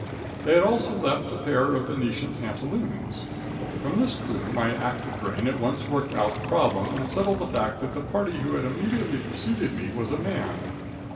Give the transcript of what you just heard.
They had also left a pair of Venetian pantaloons. From this clue, my active brain at once worked out the problem and settled the fact that the party who had immediately preceded me was a man.